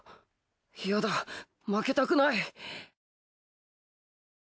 いやだ負けたくない！